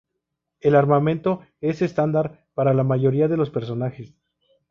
El armamento es estándar para la mayoría de los personajes.